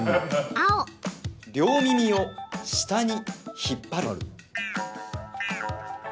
両耳を下に引っ張る。